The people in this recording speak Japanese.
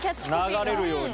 流れるように。